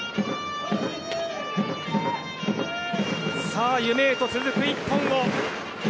さあ、夢へと続く一本を。